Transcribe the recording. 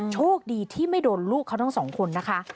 โชคดีที่ไม่โดนลูกเขาทั้งสองคนนะคะ